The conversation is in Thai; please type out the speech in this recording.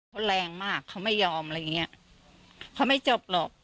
เขาแรงมากเขาไม่ยอมอะไรอย่างเงี้ยเขาไม่จบหรอก